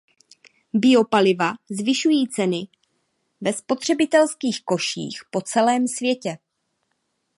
Biopaliva zvyšují ceny ve spotřebitelských koších po celém světě.